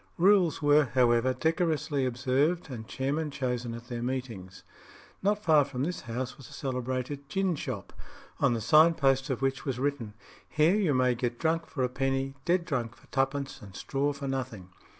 Rules were, however, decorously observed, and chairmen chosen at their meetings. Not far from this house was a celebrated gin shop, on the sign post of which was written, "Here you may get drunk for a penny, dead drunk for twopence, and straw for nothing."